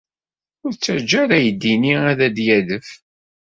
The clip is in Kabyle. Ur ttaǧǧa ara aydi-nni ad d-yadef.